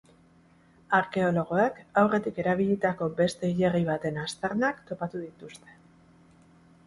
Arkeologoek aurretik erabilitako beste hilerri baten aztarnak topatu dituzte.